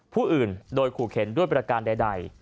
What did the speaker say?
ผู้อื่นโดยขู่เข็นด้วยประการใด